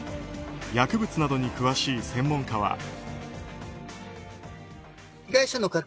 薬物などに詳しい専門家は。